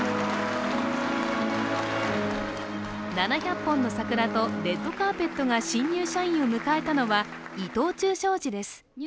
７００本の桜とレッドカーペットが新入社員を迎えたのは伊藤忠商事です。